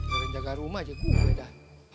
jangan jaga rumah aja gue udah